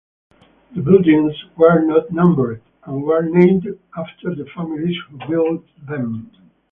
The buildings were not numbered and were named after the families who built them.